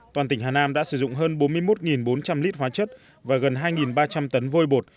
toàn tỉnh hà nam đã sử dụng hơn bốn mươi một bốn trăm linh lít hóa chất và gần hai ba trăm linh tấn vôi bột